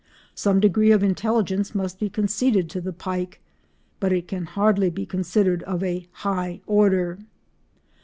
Some degree of intelligence must be conceded to the pike, but it can hardly be considered of a high order.